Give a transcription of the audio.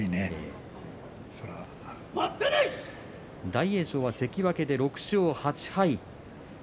大栄翔が関脇で６勝８敗。